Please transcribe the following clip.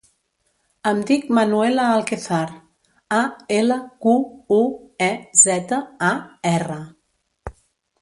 Em dic Manuela Alquezar: a, ela, cu, u, e, zeta, a, erra.